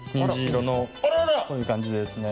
こういうかんじでですね